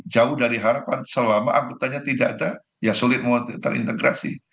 jauh dari harapan selama angkutannya tidak ada ya sulit terintegrasi